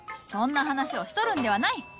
そんな話をしとるんではない！